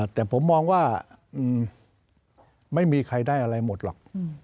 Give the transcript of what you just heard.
แต่ผมมองว่าไม่มีใครได้อะไรหมดหรอก